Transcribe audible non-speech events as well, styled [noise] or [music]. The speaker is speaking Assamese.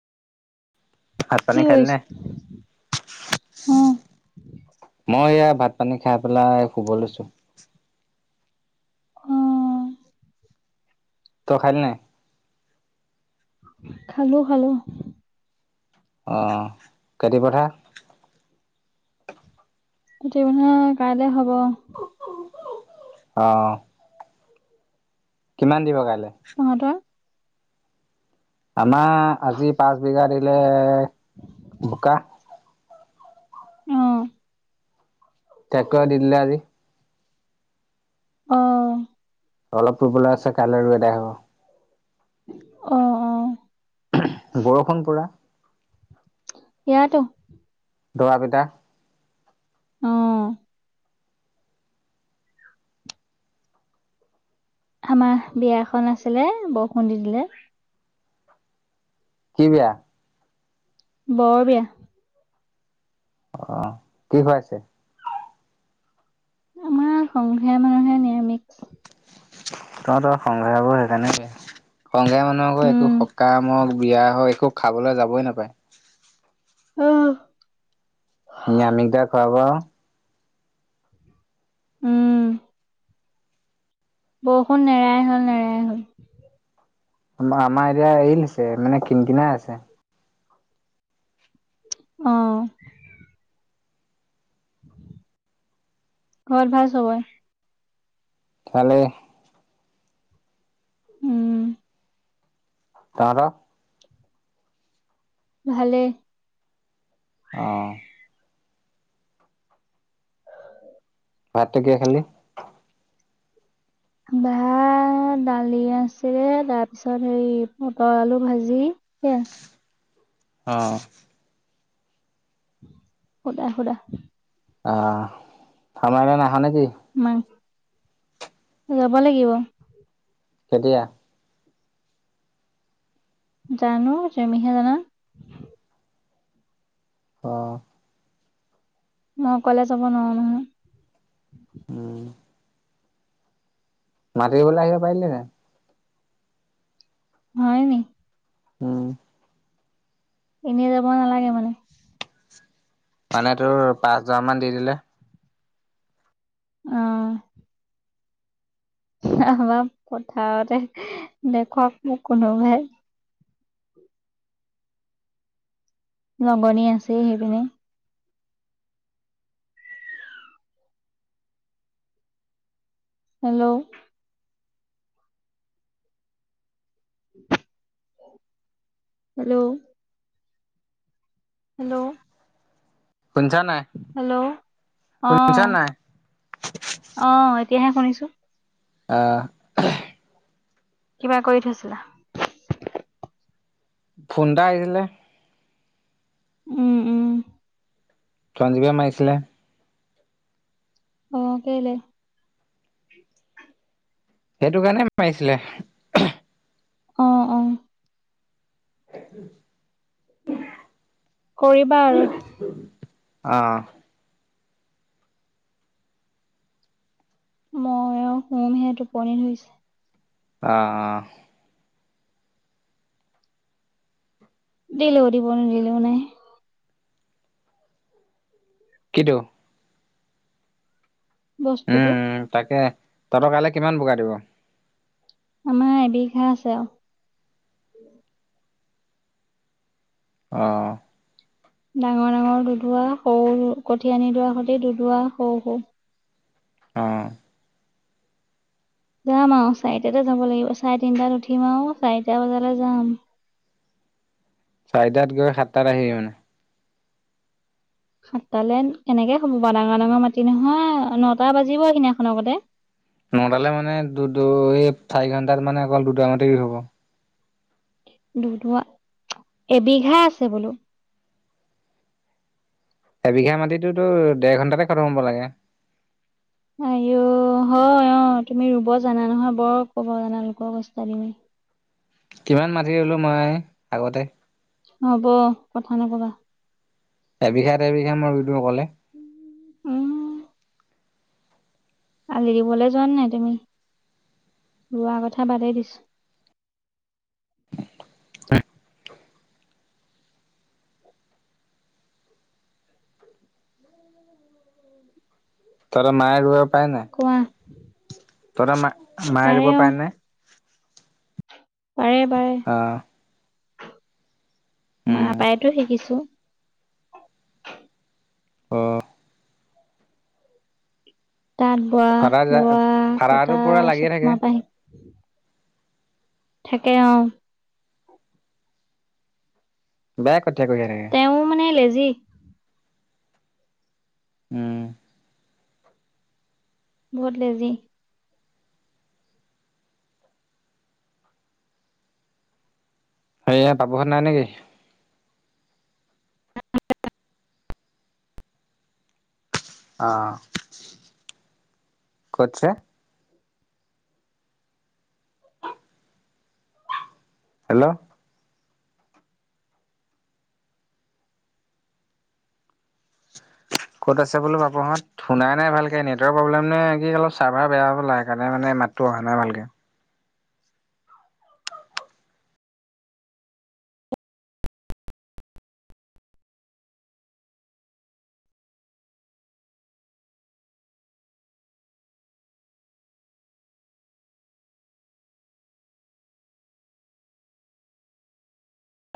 ভাত-পানী কি খালি কৰিছে? নাই? অ', মই এইয়া, ভাত ভাত-পানী খাই পেলাই, শুব লৈছোঁ। অ'! তই খালি নাই? খালোঁ, খালোঁ। অ'! খেতি পথাৰ? খেতি মানে, কাইলে হ'ব। অ'। কিমান দিব কাইলে? তহঁতৰ? আমাৰ আজি পাঁচ বিঘা দিলে বোকা। অ', ট্ৰেক্টৰে দি দিলে আজি। অ'। অলপ ৰুবলৈ আছে কাইলৈ ৰুই এদাই হ'ব। অ', অ'। বৰষুণ পুৰা। ইয়াতো। দবা পিটা। অ'। আমাৰ বিয়া এখন আছিলে বৰষুণ দি দিলে। কি বিয়া? বৰ বিয়া। অ', কি খুৱাইছে? আমাৰ সংঘয়া মানুহে নিৰামিষ। তহঁতৰ সংঘয়াবোৰ সেইকাৰণে বেয়া। সংঘয়া মানুহকবোৰ একো উম, সকাম হওঁক বিয়া হয় একো খাবলৈ যাবই নাপায়। অহ। নিৰামিষ দাল খুৱাব। উম। বৰষুণ নেৰাই হ'ল নেৰাই হ'ল। আমা-আমাৰ এতিয়া এৰিলেছে মানে কিন কিনাই আছে। অ'। ঘৰত ভাল চবয়ে? ভালেই। উম। তহঁতৰ? ভালেই। অ'। ভাতটো কিহে খালি? ভাত দালি আছিলে তাৰপিছত হেৰি পটল আলু ভাজি। সেইয়ায়ে। অ'। সুদা সুদা। অহ আমাৰ এয়ালৈ নাহনে কি? মা, যাব লাগিব। কেতিয়া? জানো তুমিহে জানা। অ'। মই অকলে যাব নোৱাৰো নহয়। উম। [unintelligible] আহিব পাৰিলিহেতেঁন। হয় নি? উম। এনেই যাব নালাগে মানে? মানে তোৰ পাঁচ হাজাৰ মান দি দিলে। অ'। আমাৰ পথাৰতে দেখক মোক কোনোবাই। লগনীয়া আছেই, সেইপিনে। হেল্ল'? [unintelligible] হেল্ল'? হেল্ল'? শুনিছা নাই? হেল্ল'? শুনিছ অ' নাই অ'! এতিয়াহে, শুনিছোঁ। অ'! কিবা কৰি থৈছিলা? ফোন এটা আহিছিলে। উম, উম। চঞ্জীৱে মাৰিছিলে। অ'! কেলে? সেইটো কাৰণে, মাৰিছিলে। অ' অ'! [unintelligible] কৰিবা আৰু। অ'! মই আৰু শুমহে, টোপনি ধৰিছে। অ' অ'! দিলেও দিব, নিদিলেও নাই। কিটো? উম, বস্তুটো উম! তাকে, [unintelligible] কিমান ভগাই দিব? আমাৰ এবিঘা আছে, আৰু। অ'! ডাঙৰ- ডাঙৰ দুদুবা, সৰু কঠিয়া আনি, থোৱা সৈতে, দুদুবা সৰু-সৰু। অ'! যাম আৰু চাৰিটাতে যাব লাগিব, চাৰে তিনটাত উঠিম আৰু চাৰিটা বজালৈ যাম। চাৰিটাত গৈ, সাতটাত আহিবি মানে? সাতটালৈ, তেনেকে হ'ব বাৰু ডাঙৰ-ডাঙৰ মাটি নহয়! নটা বাজিব, সেইদিনাখন গতে। নটালে মানে, দু দুই, চাৰি ঘণ্টাত মানে, অকল দুটা মাটি ৰোই হ'ব। দুদুবা, এবিঘা আছে বোলো! এবিঘা মাটিতটোতো, ডেৰ ঘণ্টাতে খটম হ'ব লাগে? আই অ'! হয়, অ'! তুমি ৰোব জানা নহয়? বৰ ক'ব জানা লোকক উষ্টাডি মাৰি। কিমান মাটি ৰোলো মই, আগতে। হ'ব, কথা নক'বা। এবিঘা, এবিঘা মই ৰোই দিওঁ অকলে। উম! আলি দিবলৈ যোৱা নাই তুমি? ৰোৱা কথা বাদেই দিছোঁ। তহঁত মায়ে ৰোব পাৰে নোৱাৰে? কোৱা তহঁতে মা, মায়ে ৰোব পাৰে নোৱাৰে? পাৰে, পাৰে। অ' উম মা পায়তো শিকিছোঁ। অ'! তাঁত-বোৱা, ফাদাৰ যা ৰোৱা- ফাদাৰটো কটা, পুৰা লাগিয়ে চব থাকে। মাৰ পৰাই শিক থাকে, অ'! বেয়া! কঠিয়া কঢ়িয়াই থাকে। তেওঁ মানে, লেজি। উম! বহুত লেজি! সেইয়ে, পাপুহঁত নাই নেকি? অ'! ক'ত আছে? হেল্ল'? ক'ত আছে বোলো বাপুহত। থু নাই নাই ভালকৈ নেটৱৰ্কৰ প্ৰব্লেম নে কি চাৰ্ভাৰ বেয়া হৈ গ'ল সেইকাৰণে মানে মাতটো অহা নাই ভালকৈ।